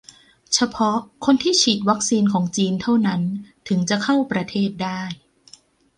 เฉพาะคนที่ฉีดวัคซีนของจีนเท่านั้นถึงจะเข้าประเทศได้